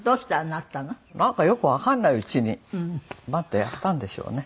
なんかよくわからないうちにバンとやったんでしょうね。